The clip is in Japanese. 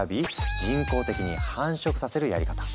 人工的に繁殖させるやり方。